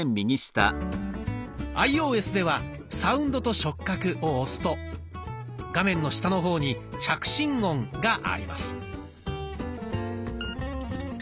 アイオーエスでは「サウンドと触覚」を押すと画面の下の方に「着信音」があります。